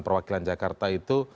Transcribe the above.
perwakilan jakarta itu